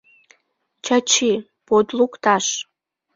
— Чачи, под лукташ!